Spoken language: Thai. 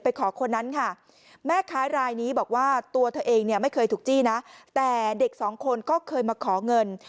ขอคนนั้นค่ะแม่ค้ารายนี้บอกว่าตัวเธอเองเนี่ยไม่เคยถูกจี้นะแต่เด็กสองคนก็เคยมาขอเงิน